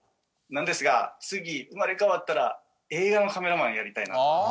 なんですが次生まれ変わったら映画のカメラマンやりたいなと。